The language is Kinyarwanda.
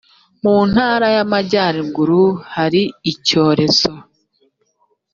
mu ntara y amajyaruguru hari icyorezo